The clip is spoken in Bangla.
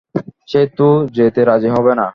সে তো যেতে রাজি হবে না।